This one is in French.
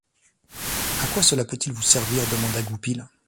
A quoi cela peut-il vous servir ? demanda Goupil.